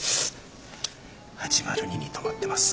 ８０２に泊まってます。